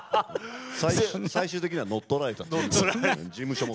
最終的には乗っ取られた事務所も。